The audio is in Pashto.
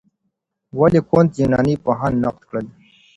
ولي کُنت يوناني پوهان نقد کړل؟